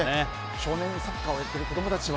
少年サッカーをやってる子供たちは。